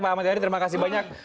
bang ahmad yani terima kasih banyak